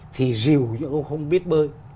thì dìu những ông không biết bơi